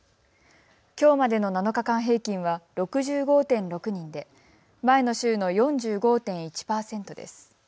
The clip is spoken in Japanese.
きょうまでの７日間平均は６５．６人で前の週の４５．１％です。